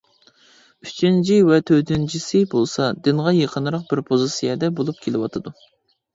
ئۈچىنچى ۋە تۆتىنچىسى بولسا، دىنغا يېقىنراق بىر پوزىتسىيەدە بولۇپ كېلىۋاتىدۇ.